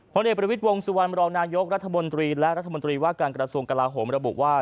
เอกประวิทย์วงสุวรรณรองนายกรัฐมนตรีและรัฐมนตรีว่าการกระทรวงกลาโหมระบุว่า